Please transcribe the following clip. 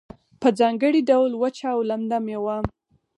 په ځانګړي ډول وچه او لمده میوه